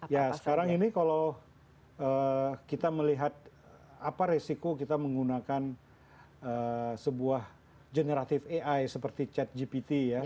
ya sekarang ini kalau kita melihat apa resiko kita menggunakan sebuah generatif ai seperti chat gpt ya